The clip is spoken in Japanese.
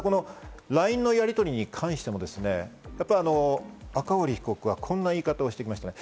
ＬＩＮＥのやりとりに関しても、赤堀被告はこんな言い方をしていますね。